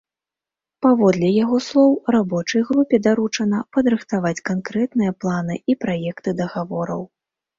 Паводле яго слоў, рабочай групе даручана падрыхтаваць канкрэтныя планы і праекты дагавораў.